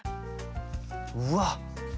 うわっ！